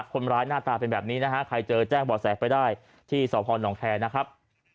คนร้ายหน้าตาเป็นแบบนี้นะฮะใครเจอแจ้งบ่อแสไปได้ที่สพนแคร์นะครับ